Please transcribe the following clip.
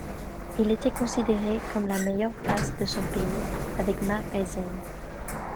Il était considéré comme la meilleure basse de son pays avec Mark Reizen.